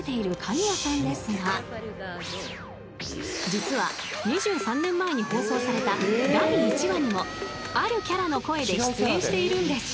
［実は２３年前に放送された第１話にもあるキャラの声で出演しているんです］